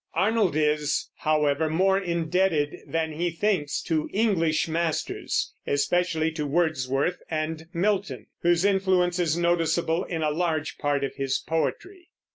Arnold is, however, more indebted than he thinks to English masters, especially to Wordsworth and Milton, whose influence is noticeable in a large part of his poetry.